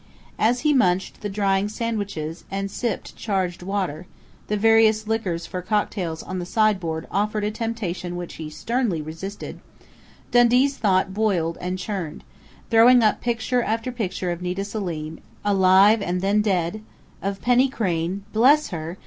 As he munched the drying sandwiches and sipped charged water the various liquors for cocktails on the sideboard offered a temptation which he sternly resisted Dundee's thought boiled and churned, throwing up picture after picture of Nita Selim, alive and then dead; of Penny Crain bless her!